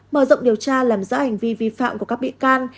mở rộng điều tra làm rõ hành vi vi phạm của các bị can